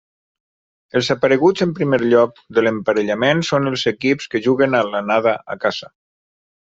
Els apareguts en primer lloc de l'emparellament són els equips que juguen l'anada a casa.